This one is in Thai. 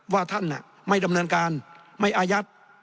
ว่าท่านไม่ดำเนินการไม่อายัด